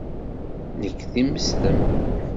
Nekk d imeslem.